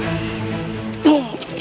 daripada harus mengeluarkan kesehatan